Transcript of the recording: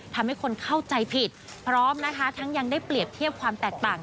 ทำให้คนเข้าใจผิดพร้อมนะคะทั้งยังได้เปรียบเทียบความแตกต่าง